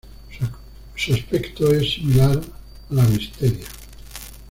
Su aspecto es similar a la "Wisteria".